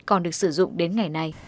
còn được sử dụng đến ngày nay